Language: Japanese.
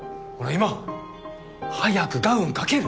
今早くガウンかける！